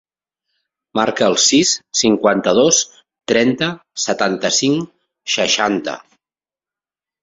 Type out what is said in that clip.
Marca el sis, cinquanta-dos, trenta, setanta-cinc, seixanta.